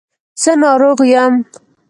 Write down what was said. زه ناروغ یم